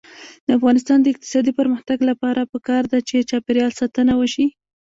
د افغانستان د اقتصادي پرمختګ لپاره پکار ده چې چاپیریال ساتنه وشي.